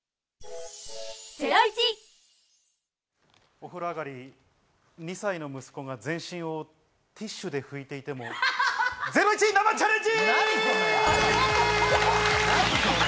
お風呂上り、２歳の息子が全身をティッシュでふいていても、ゼロイチ生チャレンジ！